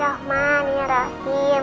aku harap meminta maaf untuk kalian